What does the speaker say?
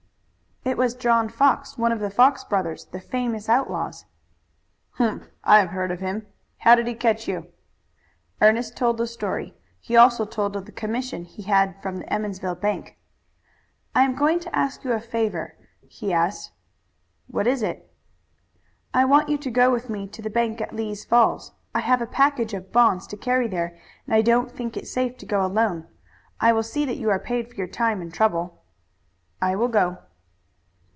"It was John Fox, one of the Fox brothers, the famous outlaws." "Humph! I have heard of him. How did he catch you?" Ernest told the story. He also told of the commission he had from the Emmonsville bank. "I am going to ask you a favor," he asked. "What is it?" "I want you to go with me to the bank at Lee's Falls. I have a package of bonds to carry there and I don't think it safe to go alone. I will see that you are paid for your time and trouble." "I will go."